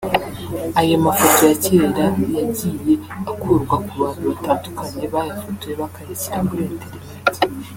aya mafoto ya cyera yagiye ukurwa kubantu batandukanye bayafotoye bakayashyira kuri interineti